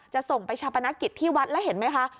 ส่งไปชาปนกิจที่วัดแล้วเห็นไหมคะ